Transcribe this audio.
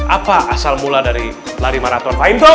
apa asal mula dari lari maraton fahim tom